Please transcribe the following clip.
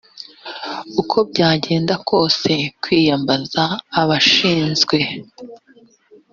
uko byagenda kose kwiyambaza abashinzwe